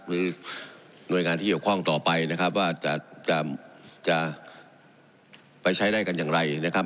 หรือหน่วยงานที่เกี่ยวข้องต่อไปนะครับว่าจะจะไปใช้ได้กันอย่างไรนะครับ